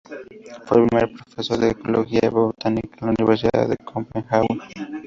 Fue el primer profesor de ecología botánica en la Universidad de Copenhague.